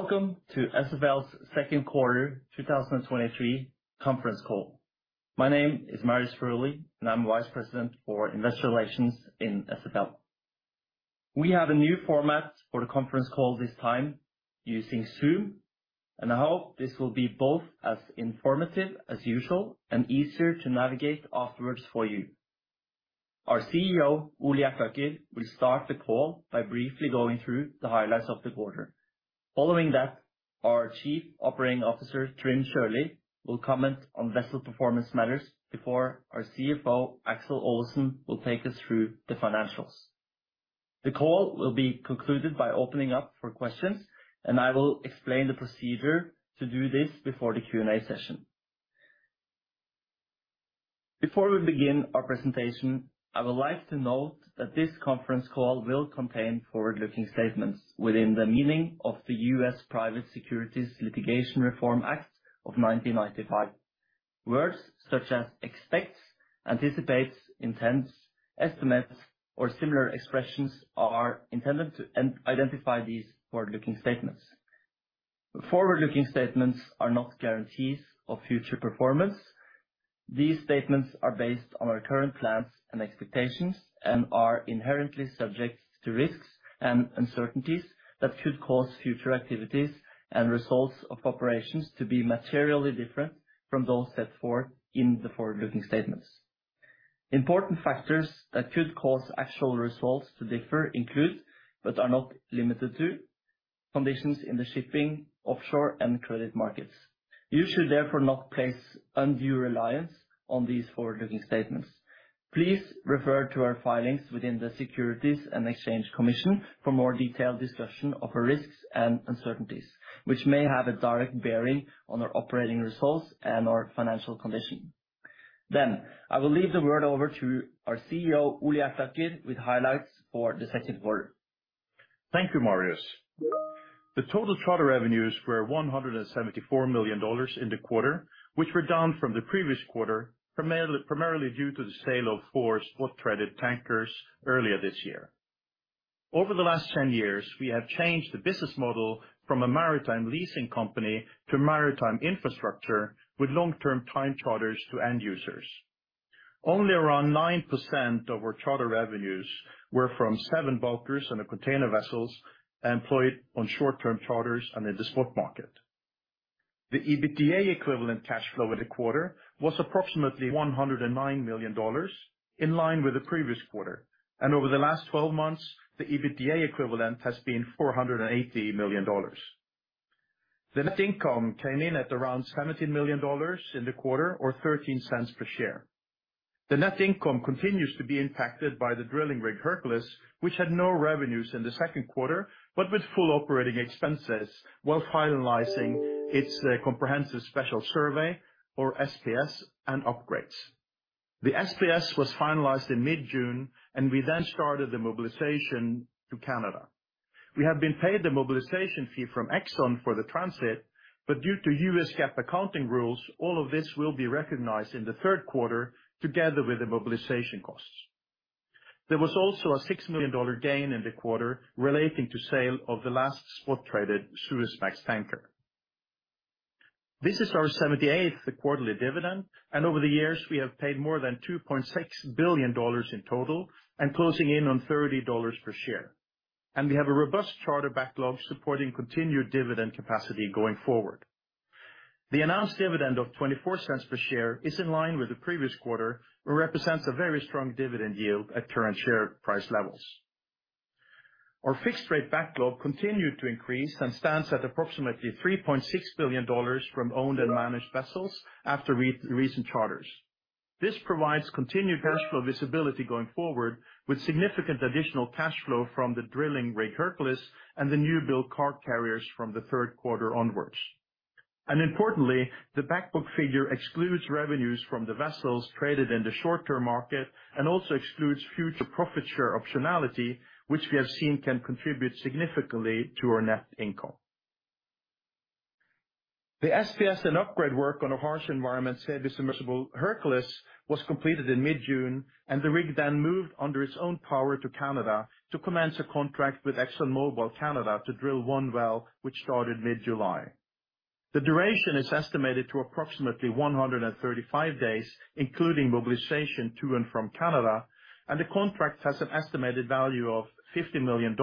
Welcome to SFL's second quarter 2023 conference call. My name is Marius Furuly, I'm Vice President for Investor Relations in SFL. We have a new format for the conference call this time using Zoom, I hope this will be both as informative as usual and easier to navigate afterwards for you. Our CEO, Ole B. Hjertaker, will start the call by briefly going through the highlights of the quarter. Following that, our Chief Operating Officer, Trym Sjølie, will comment on vessel performance matters before our CFO, Aksel Olesen, will take us through the financials. The call will be concluded by opening up for questions, I will explain the procedure to do this before the Q&A session. Before we begin our presentation, I would like to note that this conference call will contain forward-looking statements within the meaning of the U.S. Private Securities Litigation Reform Act of 1995. Words such as expects, anticipates, intends, estimates, or similar expressions are intended to identify these forward-looking statements. Forward-looking statements are not guarantees of future performance. These statements are based on our current plans and expectations and are inherently subject to risks and uncertainties that could cause future activities and results of operations to be materially different from those set forth in the forward-looking statements. Important factors that could cause actual results to differ include, but are not limited to, conditions in the shipping, offshore, and credit markets. You should therefore not place undue reliance on these forward-looking statements. Please refer to our filings within the Securities and Exchange Commission for more detailed discussion of our risks and uncertainties, which may have a direct bearing on our operating results and/or financial condition. I will leave the word over to our CEO, Ole B. Hjertaker, with highlights for the second quarter. Thank you, Marius. The total charter revenues were $174 million in the quarter, which were down from the previous quarter, primarily due to the sale of 4 spot-traded tankers earlier this year. Over the last 10 years, we have changed the business model from a maritime leasing company to maritime infrastructure with long-term time charters to end users. Only around 9% of our charter revenues were from 7 bulkers and the container vessels employed on short-term charters under the spot market. The EBITDA equivalent cash flow at the quarter was approximately $109 million, in line with the previous quarter, and over the last 12 months, the EBITDA equivalent has been $480 million. The net income came in at around $17 million in the quarter or $0.13 per share. The net income continues to be impacted by the drilling rig, Hercules, which had no revenues in the second quarter, but with full operating expenses, while finalizing its comprehensive special survey or SPS and upgrades. The SPS was finalized in mid-June, and we then started the mobilization to Canada. We have been paid the mobilization fee from Exxon for the transit, but due to US GAAP accounting rules, all of this will be recognized in the third quarter together with the mobilization costs. There was also a $6 million gain in the quarter relating to sale of the last spot-traded Suezmax tanker. This is our 78th quarterly dividend, and over the years, we have paid more than $2.6 billion in total and closing in on $30 per share. We have a robust charter backlog supporting continued dividend capacity going forward. The announced dividend of $0.24 per share is in line with the previous quarter, represents a very strong dividend yield at current share price levels. Our fixed rate backlog continued to increase and stands at approximately $3.6 billion from owned and managed vessels after re- recent charters. This provides continued cash flow visibility going forward, with significant additional cash flow from the drilling rig, Hercules, and the new build car carriers from the third quarter onwards. Importantly, the backbook figure excludes revenues from the vessels traded in the short-term market and also excludes future profit share optionality, which we have seen can contribute significantly to our net income. The SPS and upgrade work on a harsh environment, semi-submersible Hercules, was completed in mid-June, and the rig then moved under its own power to Canada to commence a contract with ExxonMobil Canada to drill one well, which started mid-July. The duration is estimated to approximately 135 days, including mobilization to and from Canada, and the contract has an estimated value of $50 million,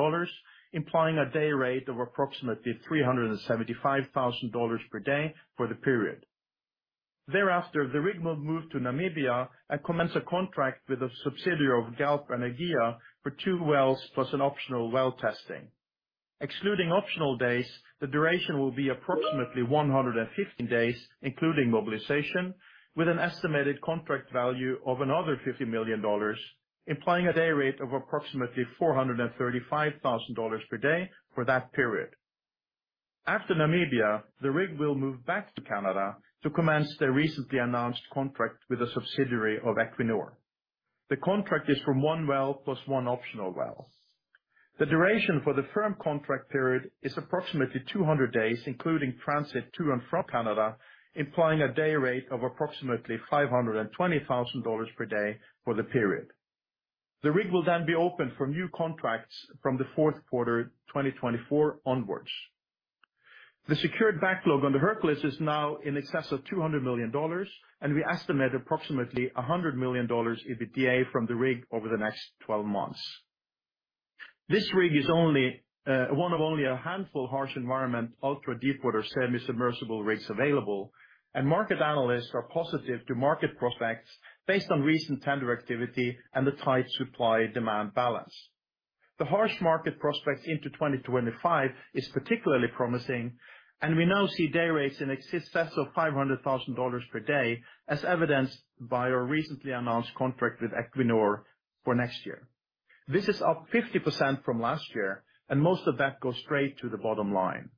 implying a day rate of approximately $375,000 per day for the period. Thereafter, the rig will move to Namibia and commence a contract with a subsidiary of Galp Energia for two wells, plus an optional well testing. Excluding optional days, the duration will be approximately 115 days, including mobilization, with an estimated contract value of another $50 million, implying a day rate of approximately $435,000 per day for that period. After Namibia, the rig will move back to Canada to commence the recently announced contract with a subsidiary of Equinor. The contract is from one well plus one optional well. The duration for the firm contract period is approximately 200 days, including transit to and from Canada, implying a day rate of approximately $520,000 per day for the period. The rig will then be open for new contracts from the fourth quarter 2024 onwards. The secured backlog on the Hercules is now in excess of $200 million, we estimate approximately $100 million EBITDA from the rig over the next 12 months. This rig is only one of only a handful harsh environment, ultra-deepwater, semi-submersible rigs available, market analysts are positive to market prospects based on recent tender activity and the tight supply-demand balance. The harsh market prospects into 2025 is particularly promising, we now see day rates in excess of $500,000 per day, as evidenced by our recently announced contract with Equinor for next year. This is up 50% from last year, most of that goes straight to the bottom line.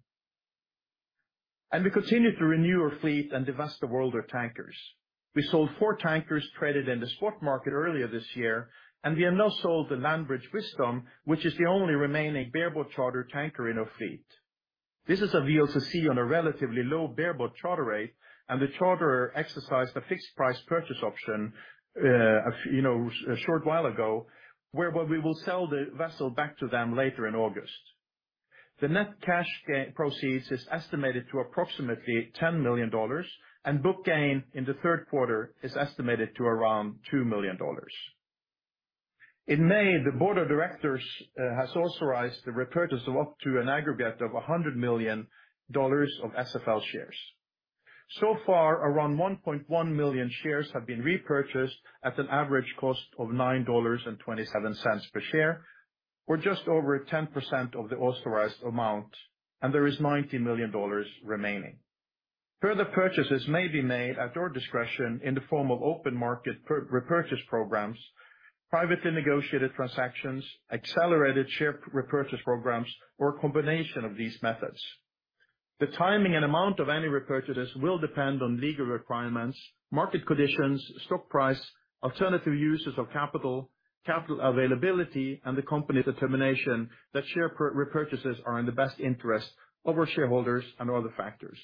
We continue to renew our fleet and divest the world of tankers. We sold four tankers traded in the spot market earlier this year, and we have now sold the Landbridge Wisdom, which is the only remaining bareboat charter tanker in our fleet. This is a VLCC on a relatively low bareboat charter rate, and the charterer exercised a fixed price purchase option, you know, a short while ago, we will sell the vessel back to them later in August. The net cash gain proceeds is estimated to approximately $10 million, and book gain in the third quarter is estimated to around $2 million. In May, the board of directors has authorized the repurchase of up to an aggregate of $100 million of SFL shares. So far, around 1.1 million shares have been repurchased at an average cost of $9.27 per share, or just over 10% of the authorized amount, and there is $90 million remaining. Further purchases may be made at our discretion in the form of open market repurchase programs, privately negotiated transactions, accelerated share repurchase programs, or a combination of these methods. The timing and amount of any repurchases will depend on legal requirements, market conditions, stock price, alternative uses of capital, capital availability, and the company determination that share repurchases are in the best interest of our shareholders and other factors.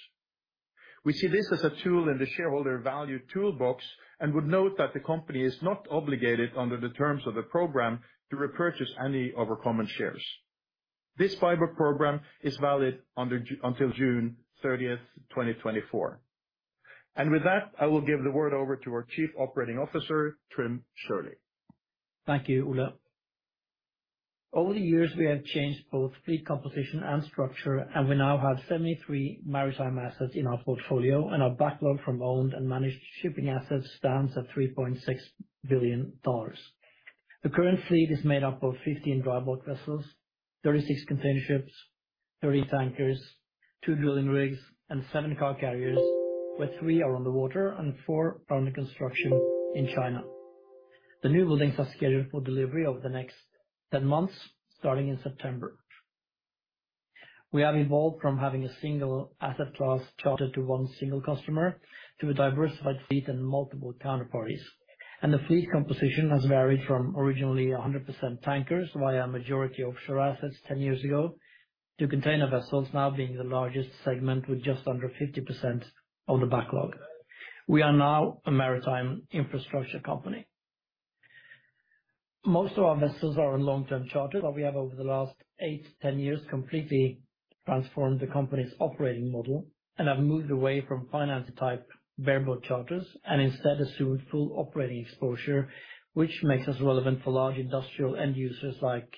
We see this as a tool in the shareholder value toolbox and would note that the company is not obligated, under the terms of the program, to repurchase any of our common shares. This buyback program is valid until June 30, 2024. With that, I will give the word over to our Chief Operating Officer, Trym Sjølie. Thank you, Ole. Over the years, we have changed both fleet composition and structure, and we now have 73 maritime assets in our portfolio, and our backlog from owned and managed shipping assets stands at $3.6 billion. The current fleet is made up of 15 dry bulk vessels, 36 container ships, 30 tankers, 2 drilling rigs, and 7 car carriers, where 3 are on the water and 4 are under construction in China. The new buildings are scheduled for delivery over the next 10 months, starting in September. We have evolved from having a single asset class chartered to one single customer to a diversified fleet and multiple counterparties. The fleet composition has varied from originally 100% tankers, via majority offshore assets 10 years ago, to container vessels now being the largest segment with just under 50% of the backlog. We are now a maritime infrastructure company. Most of our vessels are on long-term charters, but we have, over the last 8-10 years, completely transformed the company's operating model and have moved away from finance-type bareboat charters and instead assumed full operating exposure, which makes us relevant for large industrial end users like,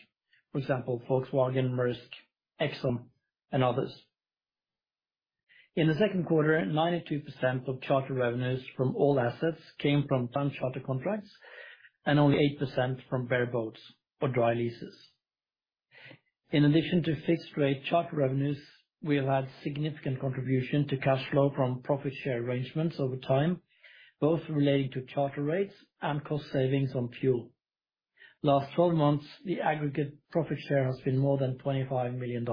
for example, Volkswagen, Maersk, Exxon, and others. In the second quarter, 92% of charter revenues from all assets came from time charter contracts and only 8% from bareboats or dry leases. In addition to fixed-rate charter revenues, we have had significant contribution to cash flow from profit share arrangements over time, both relating to charter rates and cost savings on fuel. Last 12 months, the aggregate profit share has been more than $25 million.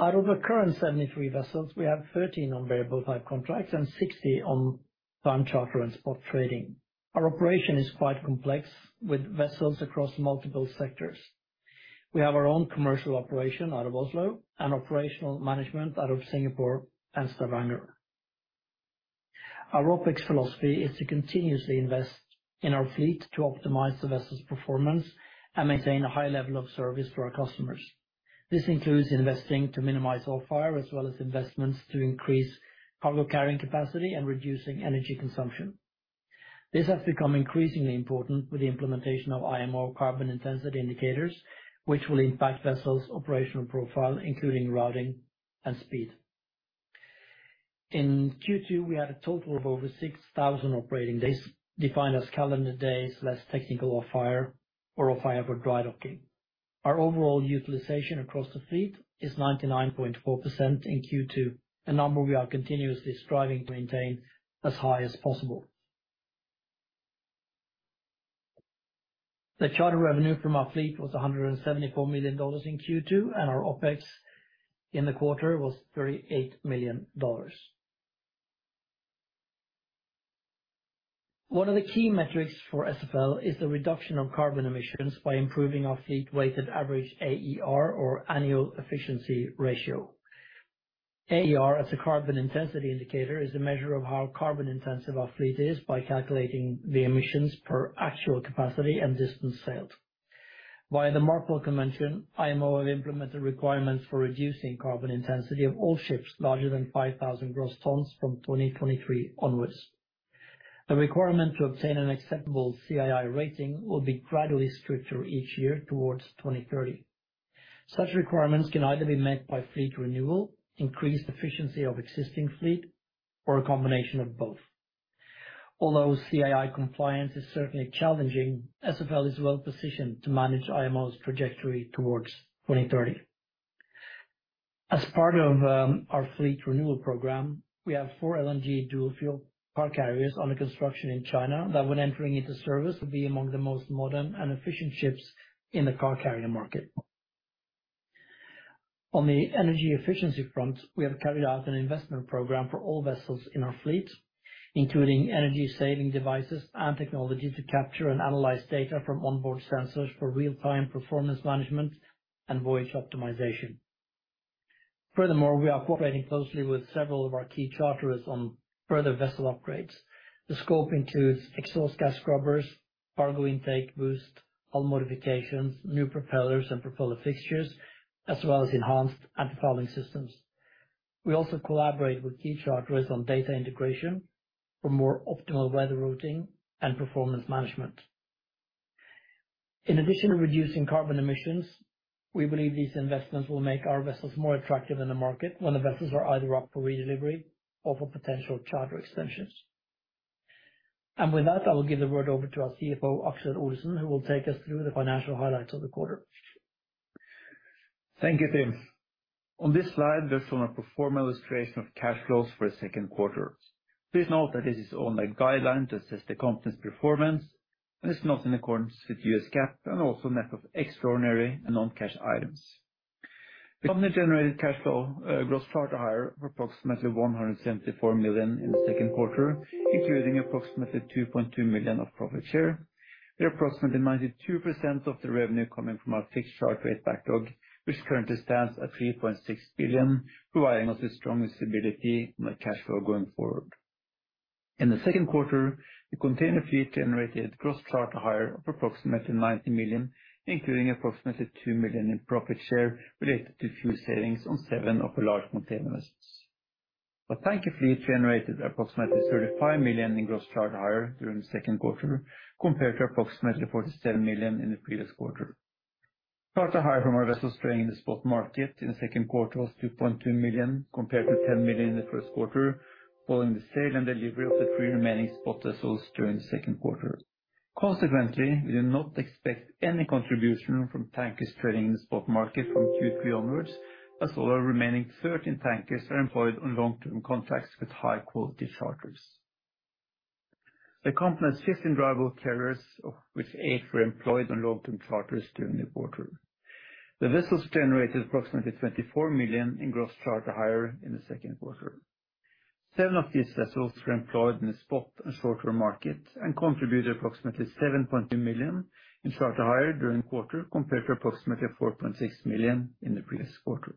Out of the current 73 vessels, we have 13 on variable type contracts and 60 on time charter and spot trading. Our operation is quite complex, with vessels across multiple sectors. We have our own commercial operation out of Oslo and operational management out of Singapore and Stavanger. Our OpEx philosophy is to continuously invest in our fleet to optimize the vessel's performance and maintain a high level of service for our customers. This includes investing to minimize offhire, as well as investments to increase cargo carrying capacity and reducing energy consumption. This has become increasingly important with the implementation of IMO Carbon Intensity Indicators, which will impact vessels' operational profile, including routing and speed. In Q2, we had a total of over 6,000 operating days, defined as calendar days, less technical offhire or offhire for dry docking. Our overall utilization across the fleet is 99.4% in Q2, a number we are continuously striving to maintain as high as possible. The charter revenue from our fleet was $174 million in Q2. Our OpEx in the quarter was $38 million. One of the key metrics for SFL is the reduction of carbon emissions by improving our fleet weighted average AER, or Annual Efficiency Ratio. AER as a Carbon Intensity Indicator, is a measure of how carbon intensive our fleet is by calculating the emissions per actual capacity and distance sailed. Via the MARPOL convention, IMO have implemented requirements for reducing carbon intensity of all ships larger than 5,000 gross tons from 2023 onwards. A requirement to obtain an acceptable CII rating will be gradually stricter each year towards 2030. Such requirements can either be met by fleet renewal, increased efficiency of existing fleet, or a combination of both. Although CII compliance is certainly challenging, SFL is well positioned to manage IMO's trajectory towards 2030. As part of our fleet renewal program, we have four LNG dual fuel car carriers under construction in China, that when entering into service, will be among the most modern and efficient ships in the car carrier market. On the energy efficiency front, we have carried out an investment program for all vessels in our fleet, including energy saving devices and technology to capture and analyze data from onboard sensors for real-time performance management and voyage optimization. Furthermore, we are cooperating closely with several of our key charterers on further vessel upgrades. The scope includes exhaust gas scrubbers, cargo intake boost, hull modifications, new propellers and propeller fixtures, as well as enhanced anti-fouling systems. We also collaborate with key charterers on data integration for more optimal weather routing and performance management. In addition to reducing carbon emissions, we believe these investments will make our vessels more attractive in the market when the vessels are either up for redelivery or for potential charter extensions. With that, I will give the word over to our CFO, Aksel Olesen, who will take us through the financial highlights of the quarter. Thank you, Tim. On this slide, based on a pro forma illustration of cash flows for the second quarter. Please note that this is only a guideline to assess the company's performance, and is not in accordance with US GAAP, and also net of extraordinary and non-cash items. The company generated cash flow, gross charter hire, approximately $174 million in the second quarter, including approximately $2.2 million of profit share, where approximately 92% of the revenue coming from our fixed charter rate backlog. Which currently stands at $3.6 billion, providing us with strong stability on the cash flow going forward. In the second quarter, the container fleet generated gross charter hire of approximately $90 million, including approximately $2 million in profit share related to fuel savings on 7 of the large container vessels. Our tanker fleet generated approximately $35 million in gross charter hire during the second quarter, compared to approximately $47 million in the previous quarter. Charter hire from our vessels trading in the spot market in the second quarter was $2.2 million, compared to $10 million in the first quarter, following the sale and delivery of the three remaining spot vessels during the second quarter. We do not expect any contribution from tankers trading in the spot market from Q3 onwards, as all our remaining 13 tankers are employed on long-term contracts with high quality charters. The company has 15 dry bulk carriers, of which 8 were employed on long-term charters during the quarter. The vessels generated approximately $24 million in gross charter hire in the second quarter. Seven of these vessels were employed in the spot and short-term market, and contributed approximately $7.2 million in charter hire during the quarter, compared to approximately $4.6 million in the previous quarter.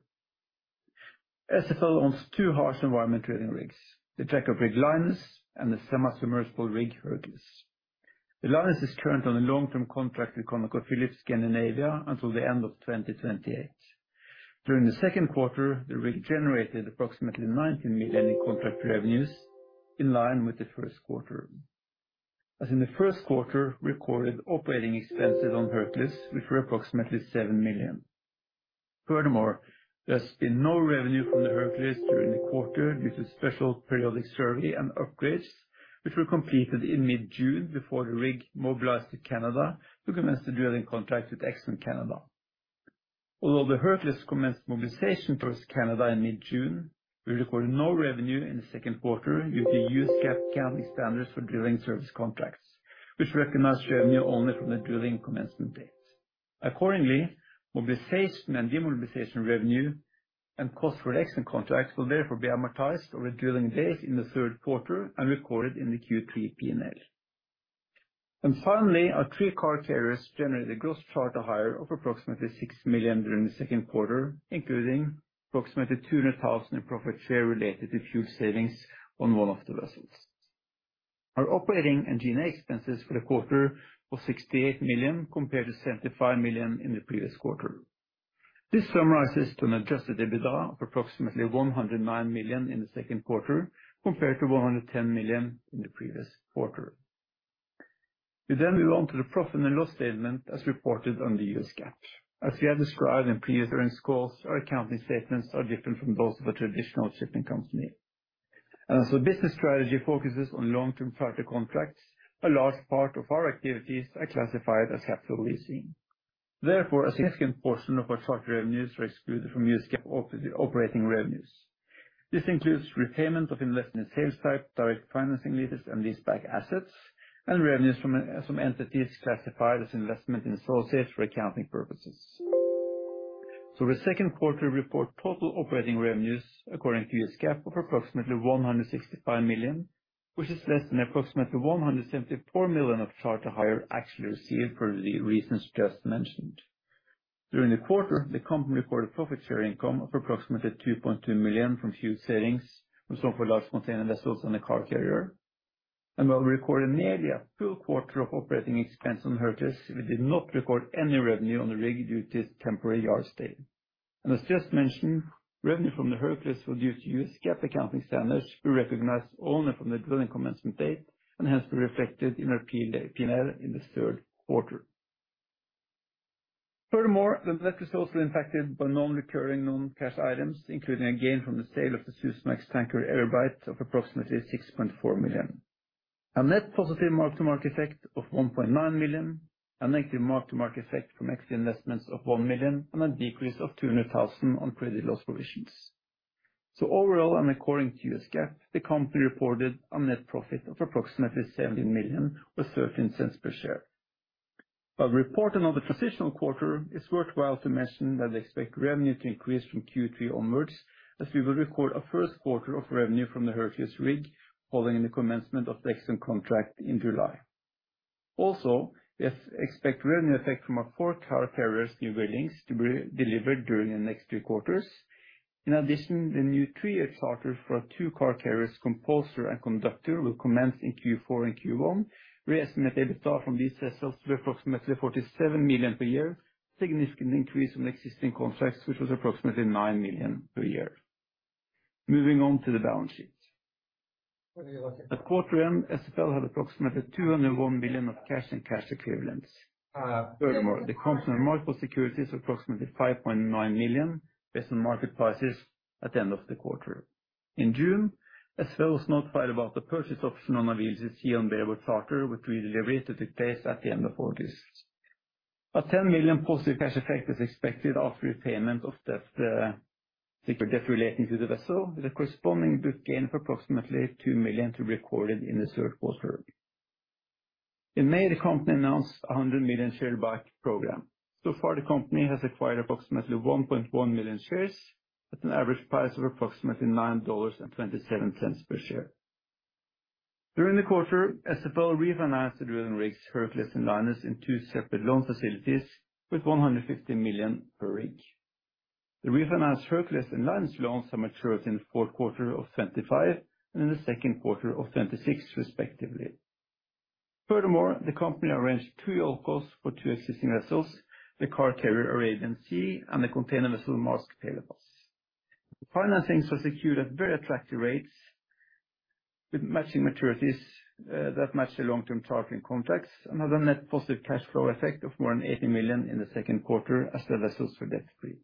SFL owns two harsh environment drilling rigs, the jackup rig, Linus, and the semi-submersible rig, Hercules. The Linus is currently on a long-term contract with ConocoPhillips Skandinavia until the end of 2028. During the second quarter, the rig generated approximately $19 million in contract revenues, in line with the first quarter. As in the first quarter, recorded operating expenses on Hercules, which were approximately $7 million. Furthermore, there's been no revenue from the Hercules during the quarter due to special periodic survey and upgrades, which were completed in mid-June before the rig mobilized to Canada to commence the drilling contract with ExxonMobil Canada. Although the Hercules commenced mobilization towards Canada in mid-June, we recorded no revenue in the second quarter due to US GAAP accounting standards for drilling service contracts, which recognize revenue only from the drilling commencement date. Accordingly, mobilization and demobilization revenue and costs for the Exxon contracts will therefore be amortized over the drilling days in the third quarter and recorded in the Q3 P&L. Finally, our three car carriers generated a gross charter hire of approximately $6 million during the second quarter, including approximately $200,000 in profit share related to fuel savings on one of the vessels. Our operating and G&A expenses for the quarter was $68 million, compared to $75 million in the previous quarter. This summarizes to an adjusted EBITDA of approximately $109 million in the second quarter, compared to $110 million in the previous quarter. We then move on to the profit and loss statement as reported under the US GAAP. As we have described in previous earnings calls, our accounting statements are different from those of a traditional shipping company. As the business strategy focuses on long-term charter contracts, a large part of our activities are classified as capital leasing. Therefore, a significant portion of our charter revenues are excluded from US GAAP operating revenues. This includes repayment of investment in sales type, direct financing leases, and leaseback assets, and revenues from some entities classified as investment in associates for accounting purposes. The second quarter report, total operating revenues according to US GAAP of approximately $165 million, which is less than approximately $174 million of charter hire actually received for the reasons just mentioned. During the quarter, the company recorded profit share income of approximately $2.2 million from fuel savings from some of our large container vessels and the car carrier. While we recorded nearly a full quarter of operating expense on Hercules, we did not record any revenue on the rig due to its temporary yard stay. As just mentioned, revenue from the Hercules will due to US GAAP accounting standards, be recognized only from the drilling commencement date, and hence be reflected in our P&L in the third quarter. Furthermore, the net is also impacted by non-recurring non-cash items, including a gain from the sale of the Supramax tanker, SFL Everbright, of approximately $6.4 million. A net positive mark-to-market effect of $1.9 million, a negative mark-to-market effect from equity investments of $1 million, and a decrease of $200,000 on credit loss provisions. Overall, and according to US GAAP, the company reported a net profit of approximately $17 million, or $0.13 per share. While reporting on the transitional quarter, it's worthwhile to mention that they expect revenue to increase from Q3 onwards, as we will record our first quarter of revenue from the Hercules rig, following the commencement of the Exxon contract in July. Also, we expect revenue effect from our 4 car carriers new buildings to be delivered during the next 2 quarters. In addition, the new 3-year charter for our 2 car carriers, SFL Composer and SFL Conductor, will commence in Q4 and Q1. We estimate EBITDA from these vessels to be approximately $47 million per year, significant increase from the existing contracts, which was approximately $9 million per year. Moving on to the balance sheet. At quarter end, SFL had approximately $201 billion of cash and cash equivalents. Furthermore, the company had multiple securities, approximately $5.9 million, based on market prices at the end of the quarter. In June, SFL was notified about the purchase option on a VLCC on bareboat charter, which redelivery is to take place at the end of August. A $10 million positive cash effect is expected after repayment of debt, debt relating to the vessel, with a corresponding book gain of approximately $2 million to be recorded in the third quarter. In May, the company announced a $100 million share buyback program. So far, the company has acquired approximately 1.1 million shares at an average price of approximately $9.27 per share. During the quarter, SFL refinanced the drilling rigs, Hercules and Linus, in two separate loan facilities with $150 million per rig. The refinanced Hercules and Linus loans are matured in the fourth quarter of 2025 and in the second quarter of 2026, respectively. Furthermore, the company arranged two JOLCOs for two existing vessels, the car carrier, Arabian Sea, and the container vessel, Maersk Pelepas. The financings were secured at very attractive rates, with matching maturities that match the long-term targeting contracts, and has a net positive cash flow effect of more than $80 million in the second quarter as the vessels were debt free.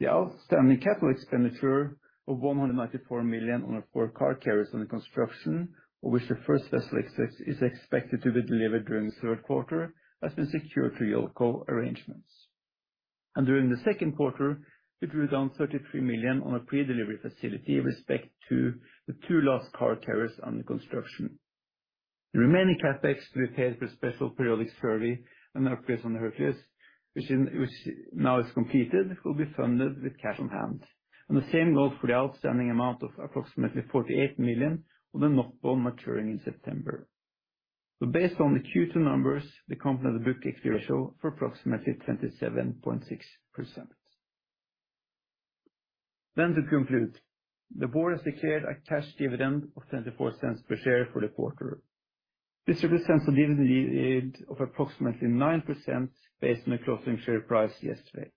The outstanding capital expenditure of $194 million on our four car carriers under construction, of which the first vessel is expected to be delivered during the third quarter, has been secured through JOLCO arrangements. During the second quarter, we drew down $33 million on a predelivery facility with respect to the two last car carriers under construction. The remaining CapEx to be paid for special periodic survey on Hercules and Hercules, which now is completed, will be funded with cash on hand. The same goes for the outstanding amount of approximately $48 million on the NOK bond maturing in September. Based on the Q2 numbers, the company has a book equity ratio for approximately 27.6%. To conclude, the board has declared a cash dividend of $0.24 per share for the quarter. This represents a dividend yield of approximately 9% based on the closing share price yesterday.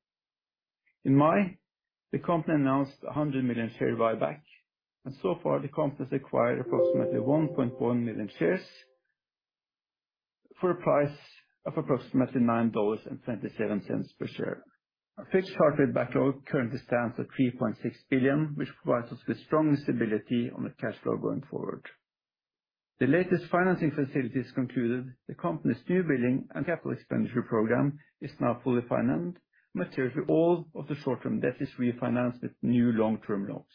In May, the company announced a $100 million share buyback, and so far, the company has acquired approximately 1.1 million shares for a price of approximately $9.27 per share. Our fixed charter backlog currently stands at $3.6 billion, which provides us with strong stability on the cash flow going forward. The latest financing facilities concluded, the company's new building and capital expenditure program is now fully financed, materially all of the short-term debt is refinanced with new long-term loans.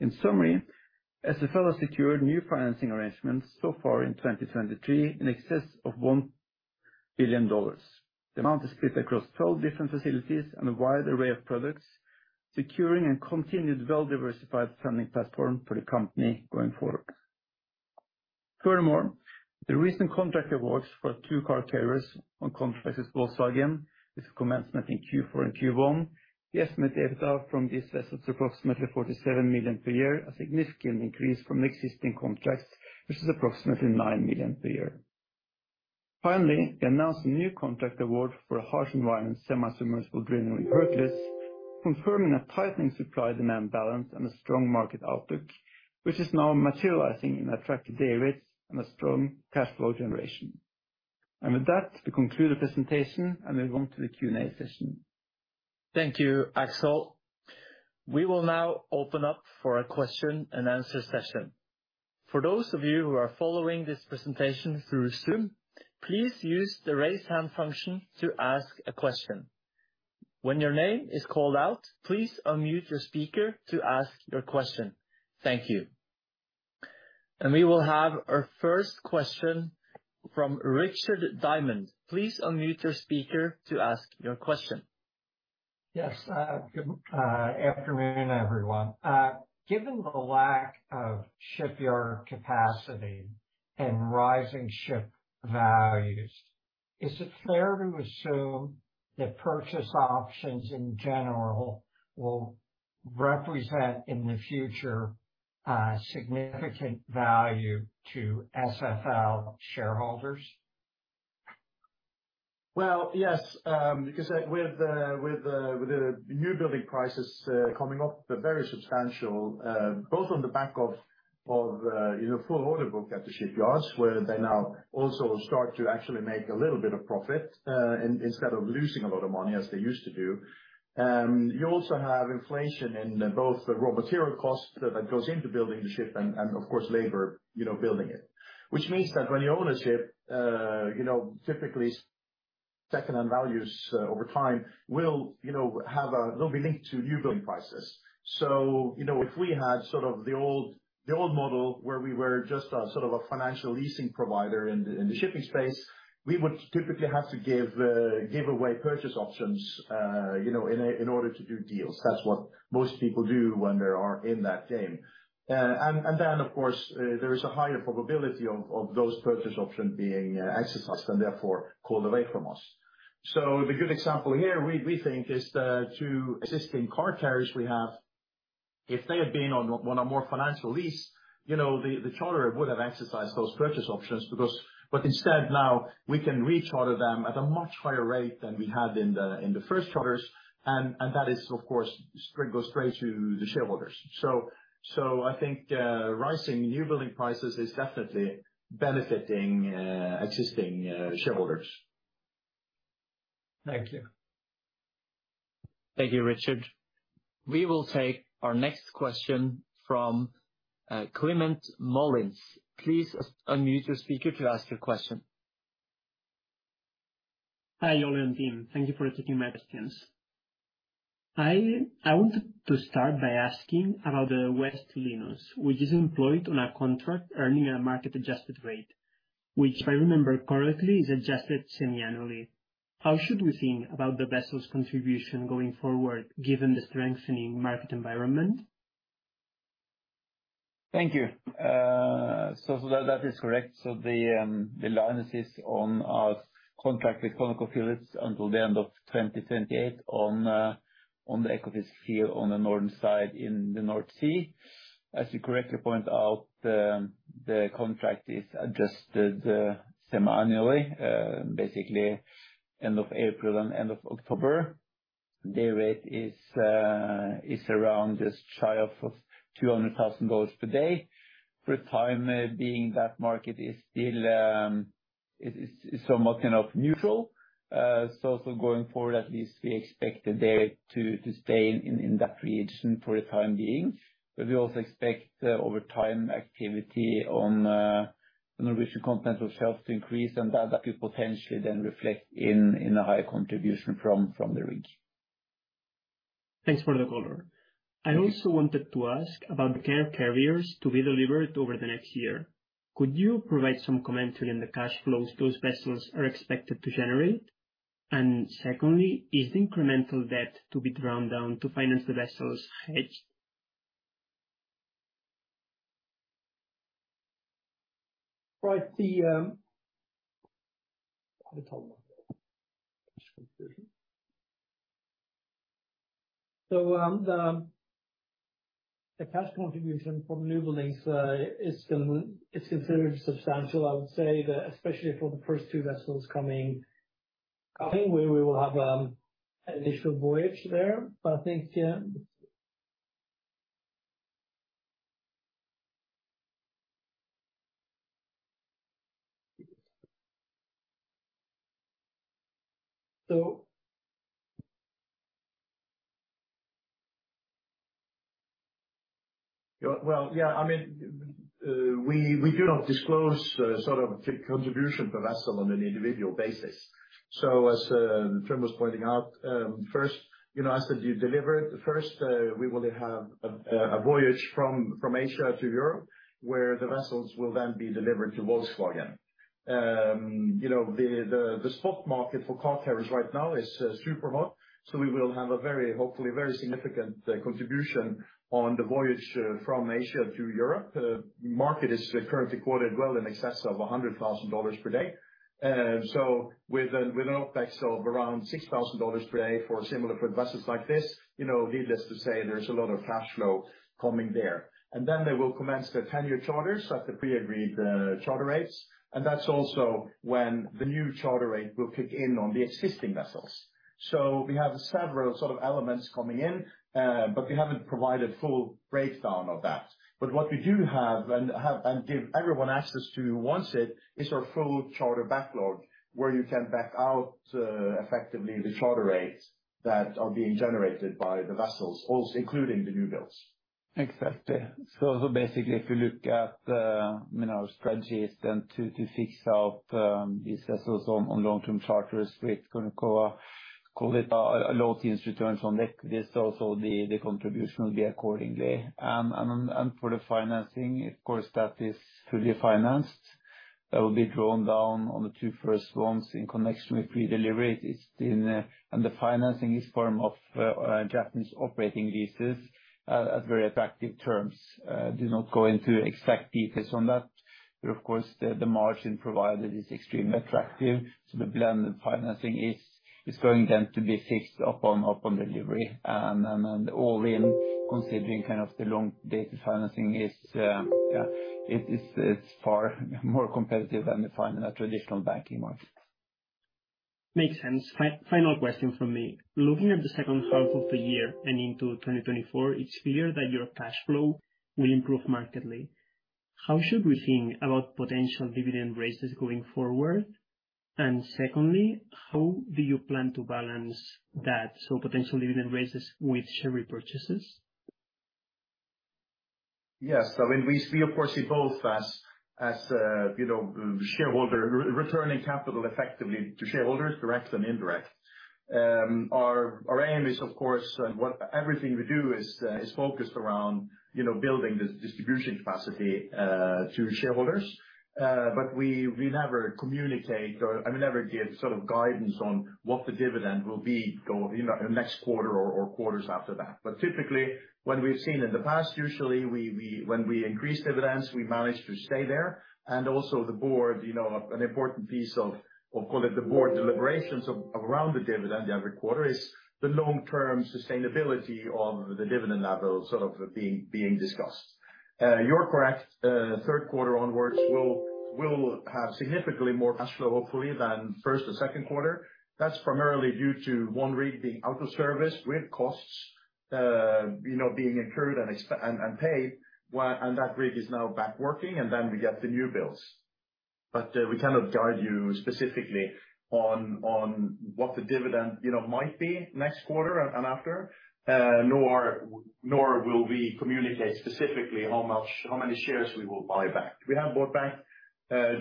In summary, SFL has secured new financing arrangements so far in 2023 in excess of $1 billion. The amount is split across 12 different facilities and a wide array of products, securing and continued well-diversified funding platform for the company going forward. Furthermore, the recent contract awards for our two car carriers on contracts is also again, with commencement in Q4 and Q1. We estimate EBITDA from these vessels approximately $47 million per year, a significant increase from the existing contracts, which is approximately $9 million per year. Finally, we announced a new contract award for a harsh environment semi-submersible drilling Hercules, confirming a tightening supply demand balance and a strong market outlook, which is now materializing in attractive day rates and a strong cash flow generation. With that, we conclude the presentation and move on to the Q&A session. Thank you, Aksel. We will now open up for a question and answer session. For those of you who are following this presentation through Zoom, please use the Raise Hand function to ask a question. When your name is called out, please unmute your speaker to ask your question. Thank you. We will have our first question from Richard Diamond. Please unmute your speaker to ask your question. Yes, good afternoon, everyone. Given the lack of shipyard capacity and rising ship values, is it fair to assume that purchase options in general will represent, in the future, a significant value to SFL shareholders? Well, yes, because with the, with the, with the new building prices coming up, they're very substantial, both on the back of, of, you know, full order book at the shipyards, where they now also start to actually make a little bit of profit instead of losing a lot of money as they used to do. You also have inflation in both the raw material costs that, that goes into building the ship and, and of course, labor, you know, building it. Which means that when you own a ship, you know, typically second-hand values over time will, you know, have they'll be linked to new building prices. You know, if we had sort of the old, the old model, where we were just a, sort of a financial leasing provider in the, in the shipping space, we would typically have to give, give away purchase options, you know, in order to do deals. That's what most people do when they are in that game. Then, of course, there is a higher probability of, of those purchase option being, exercised, and therefore pulled away from us. The good example here, we, we think, is the 2 existing car carriers we have. If they had been on 1 or more financial lease, you know, the, the charterer would have exercised those purchase options because... Instead, now, we can recharter them at a much higher rate than we had in the, in the first charters, and that is, of course, goes straight to the shareholders. I think rising new building prices is definitely benefiting existing shareholders. Thank you. Thank you, Richard. We will take our next question from Climent Molins. Please unmute your speaker to ask your question. Hi, Ole and team. Thank you for taking my questions. I wanted to start by asking about the West Linus, which is employed on a contract earning a market-adjusted rate, which, if I remember correctly, is adjusted semi-annually. How should we think about the vessel's contribution going forward, given the strengthening market environment? Thank you. That, that is correct. The Linus is on a contract with ConocoPhillips until the end of 2028 on the Equinor's field on the northern side in the North Sea. As you correctly point out, the contract is adjusted semi-annually, basically end of April and end of October. The rate is around just shy of $200,000 per day. For the time being, that market is still somewhat, you know, neutral. Going forward, at least we expect the dayrate to stay in that region for the time being. We also expect over time, activity on the Norwegian continental shelf to increase, and that, that could potentially then reflect in a higher contribution from the region. Thanks for the color. I also wanted to ask about the car carriers to be delivered over the next year. Could you provide some commentary on the cash flows those vessels are expected to generate? Secondly, is the incremental debt to be drawn down to finance the vessels hedged? Right. The, the cash contribution from newbuildings is considerably substantial. I would say that especially for the first two vessels coming, coming, we, we will have an additional voyage there. I think, yeah. Well, yeah, I mean, we, we do not disclose, sort of the contribution per vessel on an individual basis. As Trym was pointing out, first, you know, as you deliver it, first, we will have a, a voyage from, from Asia to Europe, where the vessels will then be delivered to Volkswagen. You know, the, the, the spot market for car carriers right now is super hot, so we will have a very, hopefully very significant, contribution on the voyage, from Asia to Europe. The market is currently quoted well in excess of $100,000 per day. With an, with an OpEx of around $6,000 per day for similar for vessels like this, you know, needless to say, there's a lot of cash flow coming there. Then they will commence the 10-year charters at the pre-agreed charter rates, and that's also when the new charter rate will kick in on the existing vessels. We have several sort of elements coming in, but we haven't provided full breakdown of that. What we do have, and have, and give everyone access to who wants it, is our full charter backlog. where you can back out, effectively the charter rates that are being generated by the vessels, also including the new builds. Exactly. So basically, if you look at the, you know, our strategies then to, to fix up, these vessels on, on long-term charters, we're gonna call, call it, a low teens returns on this. Also, the, the contribution will be accordingly. For the financing, of course, that is fully financed. That will be drawn down on the two first ones in connection with pre-delivery. The financing is form of Japanese operating leases at very attractive terms. Do not go into exact details on that, but of course, the, the margin provided is extremely attractive. The blended financing is, is going then to be fixed up on, up on delivery. All in, considering kind of the long-dated financing is, yeah, it is, it's far more competitive than you find in a traditional banking market. Makes sense. Final question from me. Looking at the second half of the year and into 2024, it's clear that your cash flow will improve markedly. How should we think about potential dividend raises going forward? Secondly, how do you plan to balance that, so potential dividend raises with share repurchases? Yes. When we see, of course, we both as, as, you know, shareholder returning capital effectively to shareholders, direct and indirect. Our, our aim is, of course, and what everything we do is focused around, you know, building this distribution capacity to shareholders. But we, we never communicate or, and we never give sort of guidance on what the dividend will be, you know, next quarter or, or quarters after that. But typically, what we've seen in the past, usually, we, when we increase dividends, we manage to stay there. Also the board, you know, an important piece of, we'll call it the board deliberations around the dividend every quarter, is the long-term sustainability of the dividend level, sort of being discussed. You're correct, third quarter onwards will, will have significantly more cash flow, hopefully, than first and second quarter. That's primarily due to one rig being out of service. Rig costs, you know, being incurred and paid. That rig is now back working, and then we get the new builds. We cannot guide you specifically on what the dividend, you know, might be next quarter and after, nor will we communicate specifically how much, how many shares we will buy back. We have bought back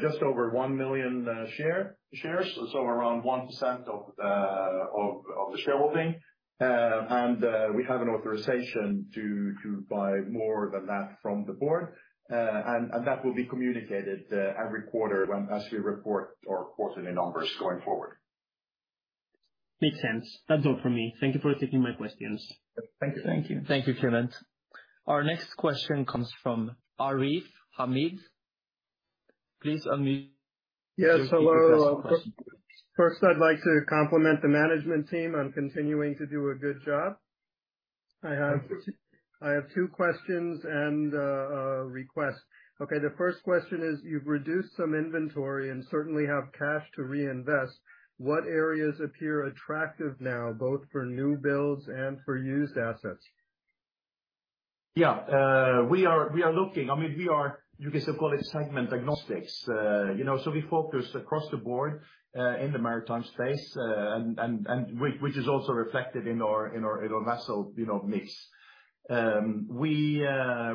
just over 1 million shares, so around 1% of the shareholding. We have an authorization to buy more than that from the board, and that will be communicated every quarter when, as we report our quarterly numbers going forward. Makes sense. That's all from me. Thank you for taking my questions. Thank you. Thank you. Thank you, Clement. Our next question comes from Arif Hamid. Please unmute. Yes, hello. First, I'd like to compliment the management team on continuing to do a good job. I have two questions and a request. Okay, the first question is, you've reduced some inventory and certainly have cash to reinvest. What areas appear attractive now, both for new builds and for used assets? Yeah, we are, we are looking. I mean, we are, you can say, call it segment agnostics. you know, so we focus across the board, in the maritime space, and, and, and which, which is also reflected in our, in our, in our vessel, you know, mix. we,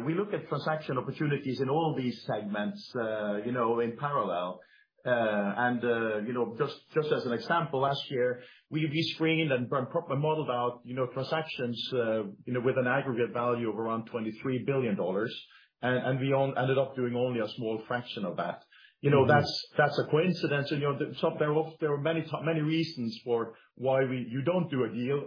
we look at transaction opportunities in all these segments, you know, in parallel. you know, just, just as an example, last year, we, we screened and, and modeled out, you know, transactions, you know, with an aggregate value of around $23 billion, and, and we ended up doing only a small fraction of that. You know, that's, that's a coincidence, and, you know, so there were many reasons for why you don't do a deal.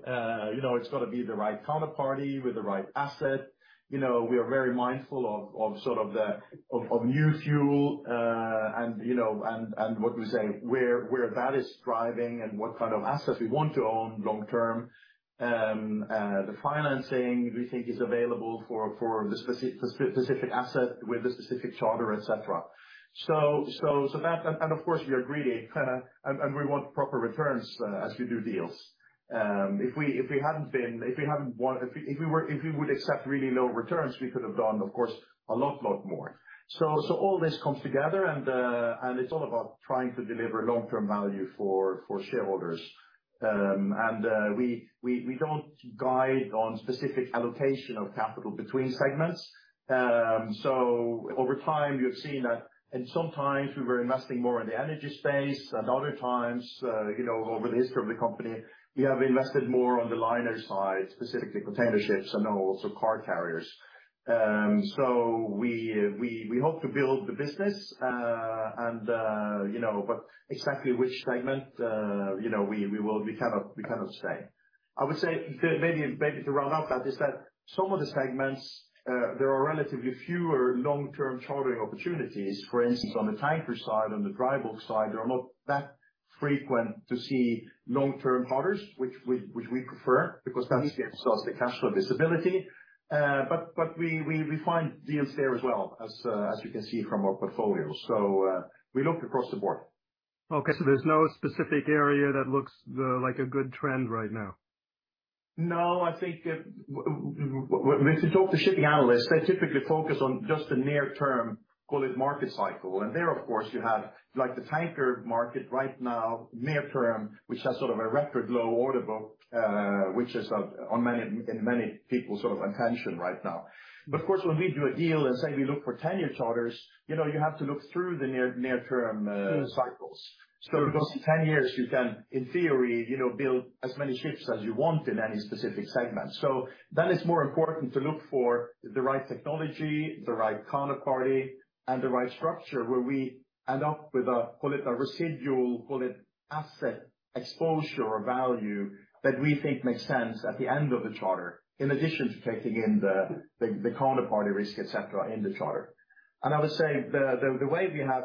You know, it's got to be the right counterparty with the right asset. You know, we are very mindful of, of sort of the, of, of new fuel, and, you know, and, and what we say, where, where that is driving and what kind of assets we want to own long term. The financing we think is available for, for the specific asset with the specific charter, et cetera. So, so, so that. Of course, we are greedy, kind of, and, and we want proper returns as we do deals. If we, if we hadn't been, if we hadn't wanted, if we, if we were, if we would accept really low returns, we could have done, of course, a lot, lot more. So all this comes together, and it's all about trying to deliver long-term value for shareholders. We don't guide on specific allocation of capital between segments. Over time, you've seen that. Sometimes we were investing more in the energy space, and other times, you know, over the history of the company, we have invested more on the liner side, specifically container ships and then also car carriers. We hope to build the business, and, you know, but exactly which segment, you know, we will, we cannot, we cannot say. I would say, maybe, maybe to round up that, is that some of the segments, there are relatively fewer long-term chartering opportunities. For instance, on the tanker side and the dry bulk side, they are not that frequent to see long-term charters, which we, which we prefer, because that gives us the cash flow visibility. But, but we, we, we find deals there as well, as you can see from our portfolio. We look across the board. Okay, there's no specific area that looks like a good trend right now? No, I think, when you talk to shipping analysts, they typically focus on just the near term, call it market cycle. There, of course, you have, like, the tanker market right now, near term, which has sort of a record low order book, which is of, on many, in many people's sort of attention right now. Of course, when we do a deal and say we look for 10-year charters, you know, you have to look through the near, near term, cycles. Because 10 years, you can, in theory, you know, build as many ships as you want in any specific segment. Then it's more important to look for the right technology, the right counterparty, and the right structure, where we end up with a, call it a residual, call it asset exposure or value, that we think makes sense at the end of the charter, in addition to taking in the, the, the counterparty risk, et cetera, in the charter. I would say the, the, the way we have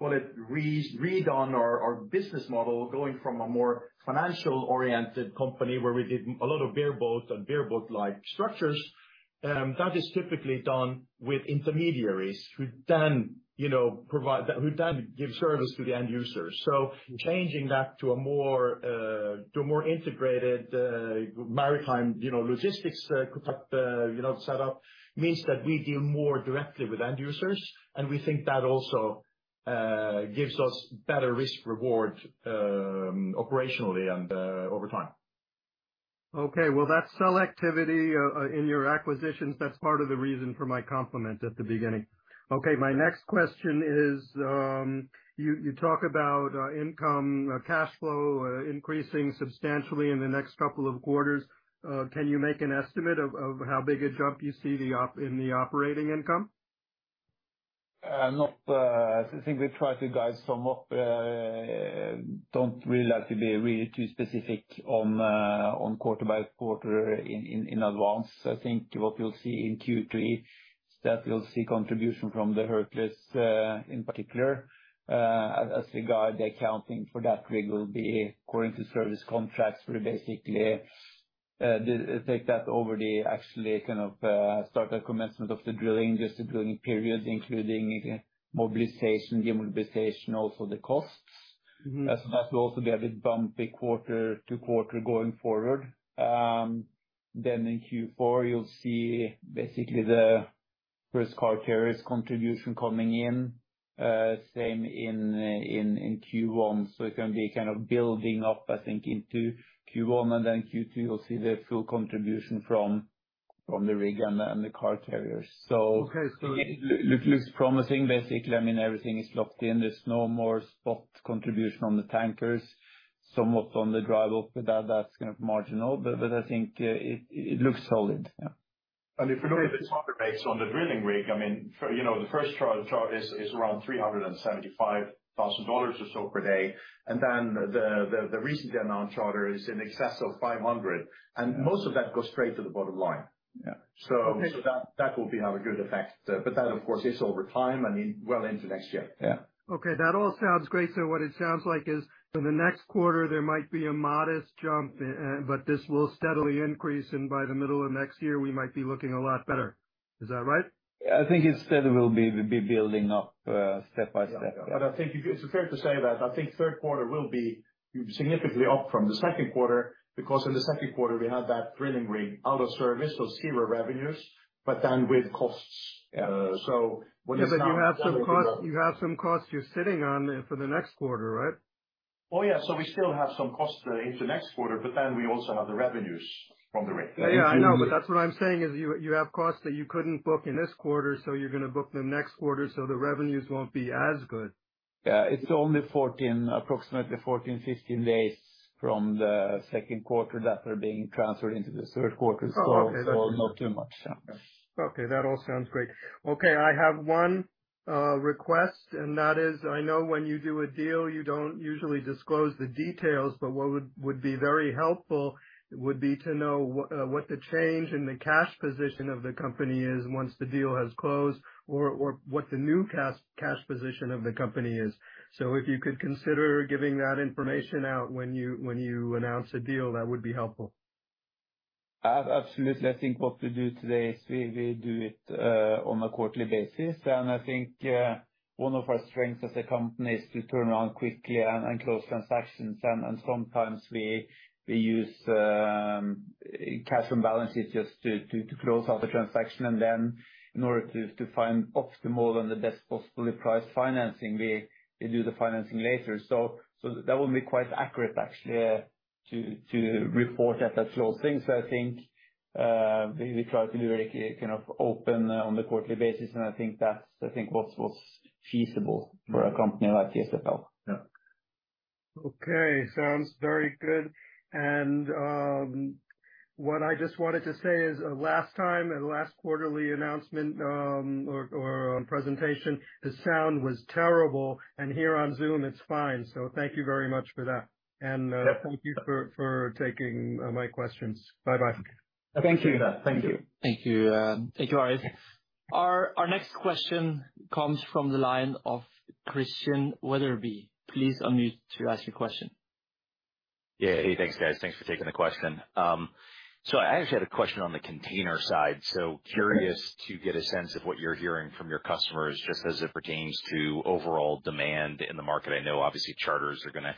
call it redone our, our business model, going from a more financial-oriented company where we did a lot of bareboat and bareboat-like structures, that is typically done with intermediaries, who then, you know, provide- who then give service to the end user. Changing that to a more, to a more integrated, maritime, you know, logistics, you know, setup, means that we deal more directly with end users, and we think that also gives us better risk reward operationally and over time. Okay. Well, that selectivity in your acquisitions, that's part of the reason for my compliment at the beginning. Okay, my next question is, you, you talk about income, cash flow, increasing substantially in the next couple of quarters. Can you make an estimate of, of how big a jump you see in the operating income? Not, I think we try to guide somewhat, don't really like to be really too specific on quarter by quarter in, in, in advance. I think what you'll see in Q3, that we'll see contribution from the Hercules in particular. As regard the accounting for that rig will be according to service contracts, we basically take that over the actually kind of, start a commencement of the drilling, just the drilling period, including mobilization, demobilization, also the costs. Mm-hmm. That will also be a bit bumpy quarter to quarter going forward. Then in Q4, you'll see basically the first car carriers contribution coming in, same in, in, in Q1. It can be kind of building up, I think, into Q1, and then Q2, you'll see the full contribution from, from the rig and then, and the car carriers. Okay. It looks promising, basically. I mean, everything is locked in. There's no more spot contribution on the tankers. Somewhat on the dry op, but that, that's kind of marginal. But I think, it, it looks solid. Yeah. If you look at the contract rates on the drilling rig, I mean, for, you know, the first charter is around $375,000 or so per day, then the recently announced charter is in excess of $500,000. Yeah. Most of that goes straight to the bottom line. Yeah. So- Okay. That will have a good effect. That, of course, is over time, I mean, well into next year. Yeah. Okay. That all sounds great. What it sounds like is, in the next quarter, there might be a modest jump, but this will steadily increase, and by the middle of next year, we might be looking a lot better. Is that right? I think it steadily will be, be building up, step by step. I think it's fair to say that I think third quarter will be significantly up from the second quarter, because in the second quarter, we had that drilling rig out of service, so 0 revenues, but then with costs. Yeah. What is now. Then you have some costs, you have some costs you're sitting on for the next quarter, right? Yeah. We still have some costs into next quarter, but then we also have the revenues from the rig. Yeah, I know, that's what I'm saying is you, you have costs that you couldn't book in this quarter, so you're going to book them next quarter, so the revenues won't be as good. Yeah. It's only 14, approximately 14, 15 days from the second quarter that are being transferred into the third quarter. Oh, okay. Not too much. Yeah. Okay, that all sounds great. Okay, I have one, request, and that is, I know when you do a deal, you don't usually disclose the details, but what would, would be very helpful would be to know what the change in the cash position of the company is once the deal has closed, or, or what the new cash position of the company is. So if you could consider giving that information out when you, when you announce a deal, that would be helpful. Absolutely. I think what we do today is we, we do it on a quarterly basis. I think one of our strengths as a company is to turn around quickly and close transactions, and sometimes we use cash and balances just to close out the transaction. Then in order to find optimal and the best possibly priced financing, we do the financing later. That will be quite accurate, actually, to report at that closing. I think we try to be very kind of open on a quarterly basis, and I think that's what's feasible for a company like SFL. Yeah. Okay, sounds very good. What I just wanted to say is, last time, at the last quarterly announcement, or, or presentation, the sound was terrible, and here on Zoom, it's fine. Thank you very much for that. Yeah. Thank you for, for taking my questions. Bye-bye. Thank you. Thank you. Thank you. Thank you, Ari. Our, our next question comes from the line of Christian Wetherbee. Please unmute to ask your question. ... Yeah. Hey, thanks, guys. Thanks for taking the question. I actually had a question on the container side. Curious to get a sense of what you're hearing from your customers, just as it pertains to overall demand in the market. I know obviously, charters are gonna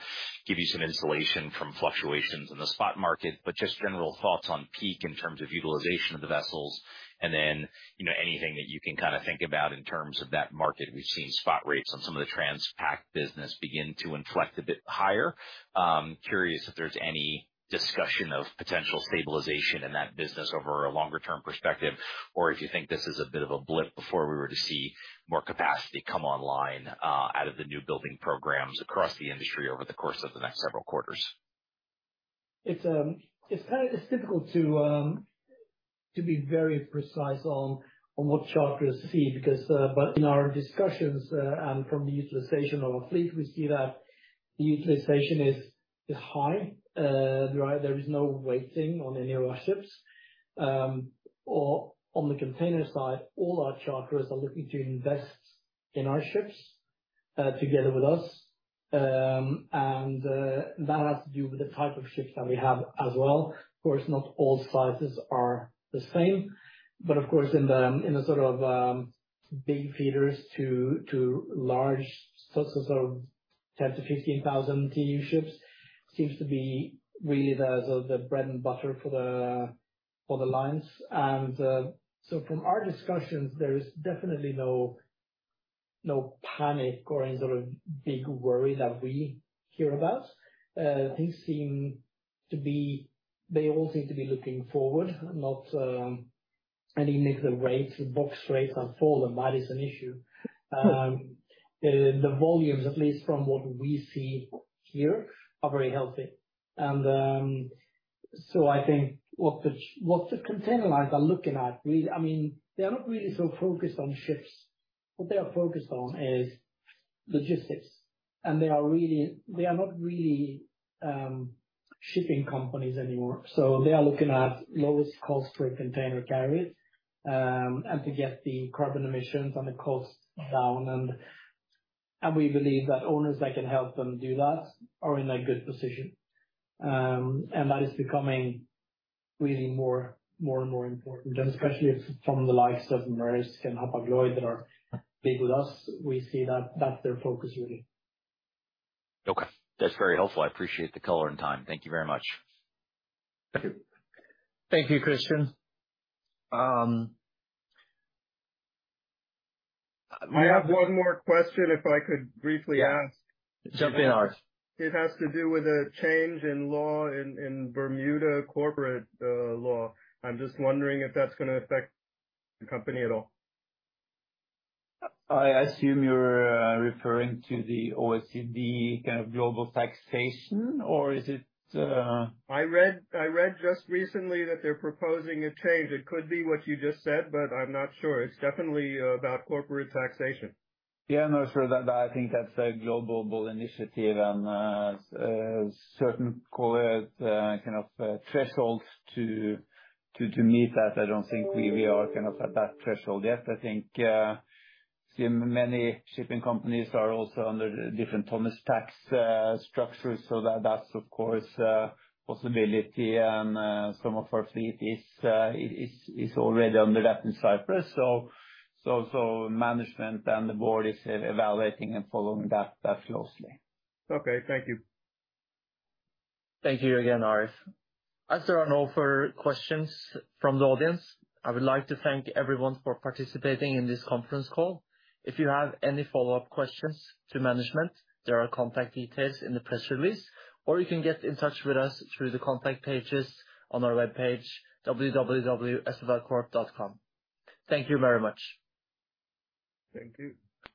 give you some insulation from fluctuations in the spot market, but just general thoughts on peak in terms of utilization of the vessels, and then, you know, anything that you can kind of think about in terms of that market. We've seen spot rates on some of the Transpac business begin to inflect a bit higher. Curious if there's any discussion of potential stabilization in that business over a longer term perspective, or if you think this is a bit of a blip before we were to see more capacity come online out of the new building programs across the industry over the course of the next several quarters? It's, it's difficult to be very precise on what charters see because. In our discussions, and from the utilization of our fleet, we see that the utilization is high, there is no waiting on any of our ships. On the container side, all our charters are looking to invest in our ships together with us. That has to do with the type of ships that we have as well. Of course, not all sizes are the same, but of course, in the sort of, big feeders to large sorts of sort of 10-15,000 TEU ships, seems to be really the sort of bread and butter for the lines. From our discussions, there is definitely no, no panic or any sort of big worry that we hear about. They all seem to be looking forward, not any negative rates. Box rates have fallen, that is an issue. The, the volumes, at least from what we see here, are very healthy. I think what the, what the container lines are looking at, really, I mean, they are not really so focused on ships. What they are focused on is logistics, and they are not really shipping companies anymore. They are looking at lowest cost for a container carrier, and to get the carbon emissions and the costs down. And we believe that owners that can help them do that are in a good position. That is becoming really more, more and more important, and especially from the likes of Maersk and Hapag-Lloyd that are big with us, we see that that's their focus, really. Okay. That's very helpful. I appreciate the color and time. Thank you very much. Thank you, Christian. I have one more question, if I could briefly ask? Jump in, Arif. It has to do with a change in law in, in Bermuda corporate law. I'm just wondering if that's gonna affect the company at all. I assume you're referring to the OECD kind of global taxation, or is it- I read, I read just recently that they're proposing a change. It could be what you just said, but I'm not sure. It's definitely about corporate taxation. Yeah, no, sure, that, I think that's a global initiative and certain call it kind of thresholds to meet that. I don't think we, we are kind of at that threshold yet. I think, see many shipping companies are also under different tonnage tax structures, so that, that's of course, a possibility. Some of our fleet is already under that in Cyprus, so management and the board is evaluating and following that closely. Okay. Thank you. Thank you again, Arif. As there are no further questions from the audience, I would like to thank everyone for participating in this conference call. If you have any follow-up questions to management, there are contact details in the press release, or you can get in touch with us through the contact pages on our webpage, www.sflcorp.com. Thank you very much. Thank you.